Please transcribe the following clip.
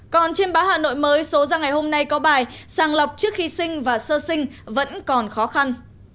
còn trên báo hà nội mới số ra ngày hôm nay có bài sàng lọc trước khi sinh và sơ sinh vẫn còn khó khăn